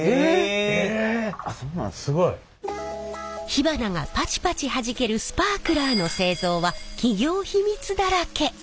火花がパチパチはじけるスパークラーの製造は企業秘密だらけ！